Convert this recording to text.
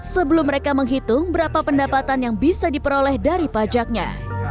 sebelum mereka menghitung berapa pendapatan yang bisa diperoleh dari pajaknya